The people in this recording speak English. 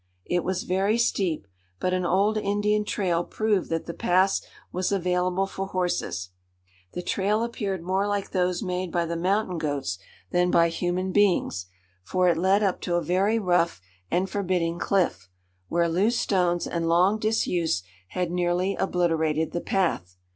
It was very steep, but an old Indian trail proved that the pass was available for horses. The trail appeared more like those made by the mountain goats than by human beings, for it led up to a very rough and forbidding cliff, where loose stones and long disuse had nearly obliterated the path.